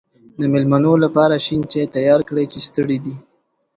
د مېلمنو لپاره شین چای تیار کړی چې ستړی دی.